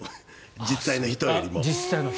実際の人よりも。